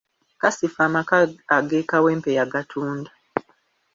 Kasifa amaka ag'e Kawempe yagatunda.